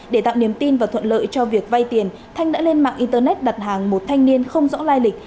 để tạo niềm tin và thuận lợi cho việc vay tiền thanh đã lên mạng internet đặt hàng một thanh niên không rõ lai lịch